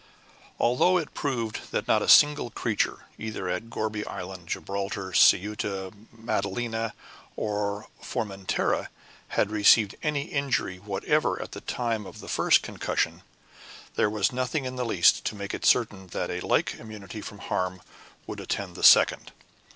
Although it had proved that not a single creature either at Gourbi Island, Gibraltar, Ceuta, Madalena, or Formentera had received any injury whatever at the time of the first concussion, there was nothing in the least to make it certain that a like immunity from harm would attend the second.